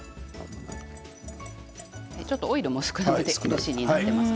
ちょっとオイルも少なめになっています。